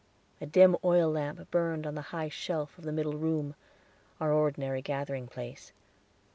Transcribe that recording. A dim oil lamp burned on the high shelf of the middle room, our ordinary gathering place.